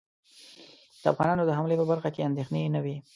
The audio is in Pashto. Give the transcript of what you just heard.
د افغانانو د حملې په برخه کې اندېښنې نه وې.